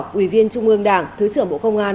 ủy viên trung ương đảng thứ trưởng bộ công an